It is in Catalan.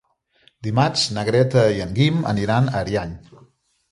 Dimarts na Greta i en Guim aniran a Ariany.